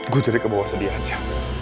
gue jadi kebawa sedih aja